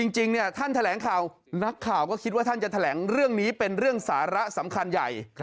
จริงท่านแถลงข่าวนักข่าวก็คิดว่าท่านจะแถลงเรื่องนี้เป็นเรื่องสาระสำคัญใหญ่